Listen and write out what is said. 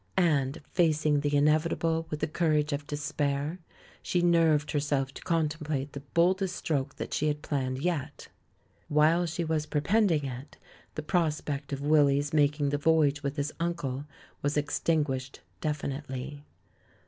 And, facing the inevitable with the courage of despair, she nerved herself to contem plate the boldest stroke that she had planned yet. While she was perpending it, the prospect of Willy's making the voyage with his uncle was extinguished definitely.